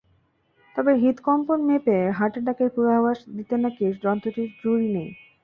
তবে হৃৎকম্পন মেপে হার্ট অ্যাটাকের পূর্বাভাস দিতে নাকি যন্ত্রটির জুড়ি নেই।